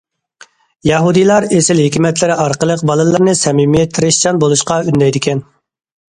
يەھۇدىيلار ئېسىل ھېكمەتلىرى ئارقىلىق بالىلىرىنى سەمىمىي، تىرىشچان بولۇشقا ئۈندەيدىكەن.